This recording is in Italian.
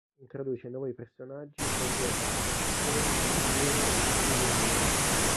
Introduce nuovi personaggi, oggetti, opzioni, carriere e stili di arredamento.